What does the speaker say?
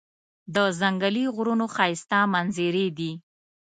د ځنګلي غرونو ښایسته منظرې دي.